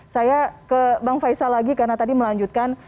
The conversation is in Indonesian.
saya ke bang faisal lagi karena tadi melanjutkan